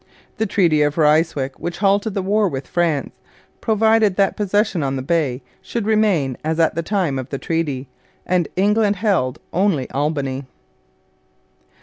The Treaty of Ryswick, which halted the war with France, provided that possession on the Bay should remain as at the time of the treaty, and England held only Albany.